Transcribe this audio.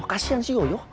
kasian si yoy